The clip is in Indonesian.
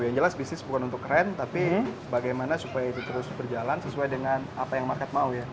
yang jelas bisnis bukan untuk keren tapi bagaimana supaya itu terus berjalan sesuai dengan apa yang market mau ya